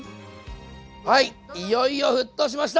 はいいよいよ沸騰しました！